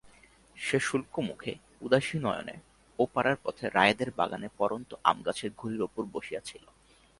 সে শুল্কমুখে উদাসীনয়নে ও-পাড়ার পথে রায়েদের বাগানে পড়ন্ত আমগাছের গুড়ির উপর বসিয়া ছিল।